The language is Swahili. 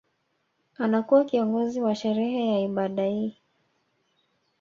Anakuwa kiongozi wa sherehe ya ibada hii